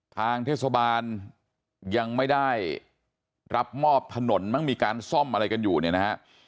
ทางเทศบาลยังไม่ได้รับมอบถนนมั้งมีการซ่อมอะไรกันอยู่เนี่ยนะฮะ